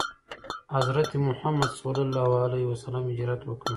حضرت محمد ﷺ هجرت وکړ.